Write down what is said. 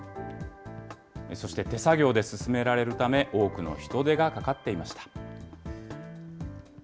そして手作業で進められるため、多くの人手がかかっていました。